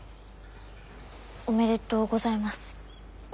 おめでとうございます。